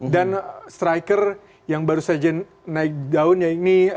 dan striker yang baru saja naik daunnya ini